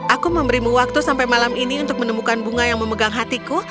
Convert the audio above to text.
aku memberimu waktu sampai malam ini untuk menemukan bunga yang memegang hatiku